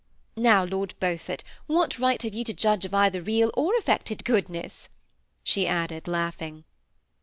Now, Lord Beaufort, what right have you to judge of either real or affected goodness ?" she added, laughing.